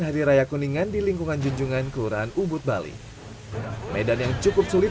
hari raya kuningan di lingkungan junjungan kelurahan ubud bali medan yang cukup sulit